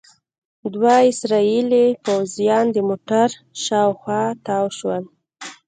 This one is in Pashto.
دوه اسرائیلي پوځیان د موټر شاوخوا تاو شول.